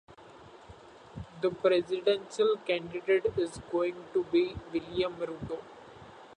The presidential candidate is going to be William Ruto.